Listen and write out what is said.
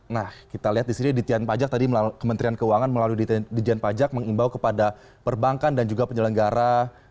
nah kita lihat disini ditjen pajak tadi kementerian keuangan melalui ditjen pajak mengimbau kepada perbankan dan juga penyelenggara